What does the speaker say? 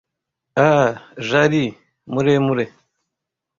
Ah, Ja li ! muremure